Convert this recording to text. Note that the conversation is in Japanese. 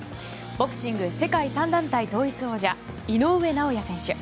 ボクシング世界３団体統一王者井上尚弥選手。